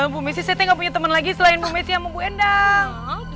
bu messi saya tidak punya temen lagi selain bu messi sama bu endang